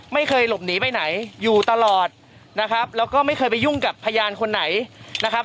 ไม่เคยหลบหนีไปไหนอยู่ตลอดนะครับแล้วก็ไม่เคยไปยุ่งกับพยานคนไหนนะครับ